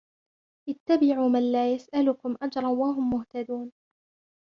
اتبعوا من لا يسألكم أجرا وهم مهتدون